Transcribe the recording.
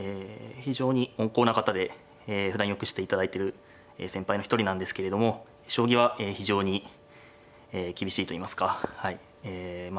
非常に温厚な方でふだんよくしていただいてる先輩の一人なんですけれども将棋は非常に厳しいといいますかえま